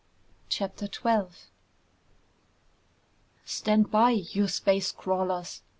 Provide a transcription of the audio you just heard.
CHAPTER 12 "Stand by, you space crawlers!"